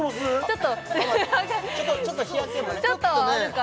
ちょっと日焼けもね